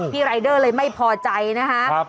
รายเดอร์เลยไม่พอใจนะคะ